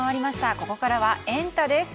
ここからはエンタ！です。